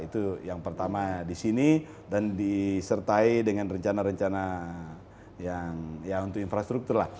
itu yang pertama di sini dan disertai dengan rencana rencana yang ya untuk infrastruktur lah